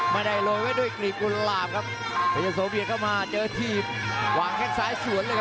หลอกนายและเสียบด้วยซาย